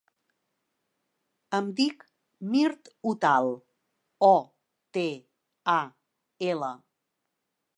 Em dic Mirt Otal: o, te, a, ela.